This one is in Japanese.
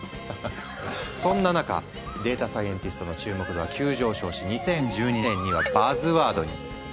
そんな中データサイエンティストの注目度は急上昇し２０１２年にはバズワードに。